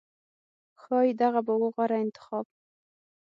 ښایي دغه به و غوره انتخاب